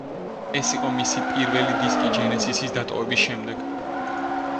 ეს იყო მისი პირველი დისკი ჯენესისის დატოვების შემდეგ.